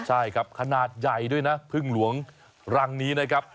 ใช่ครับขนาดใหญ่ด้วยนะพึ่งหลวงรังนี้นะครับ